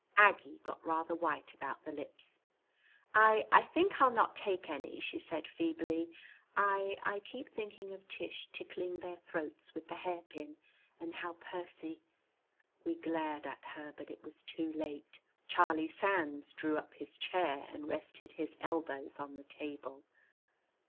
Aggie got rather white about the lips. "I I think I'll not take any," she said feebly. "I I keep thinking of Tish tickling their throats with the hairpin, and how Percy " We glared at her, but it was too late. Charlie Sands drew up his chair and rested his elbows on the table.